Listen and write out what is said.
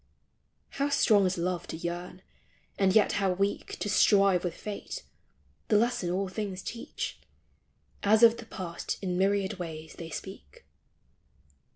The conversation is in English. How strong is love to yearn, and yet how weak To strive with fate : the lesson all things teach, As of the past in myriad ways they speak.